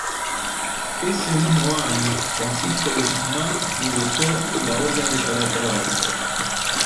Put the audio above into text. Ese mismo año, Francisco de Guzmán ingresó en la Orden de Calatrava.